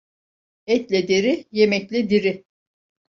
Etle deri, yemekle diri.